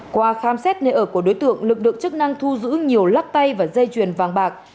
qua khám xét nơi ở của đối tượng lực lượng chức năng thu giữ nhiều lắc tay và dây chuyền vàng bạc